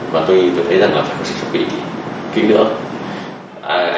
và tôi thấy rằng là chẳng có gì chuẩn bị kính nữa